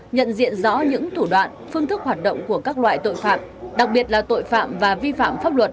nhận diện rõ những thủ đoạn phương thức hoạt động của các loại tội phạm đặc biệt là tội phạm và vi phạm pháp luật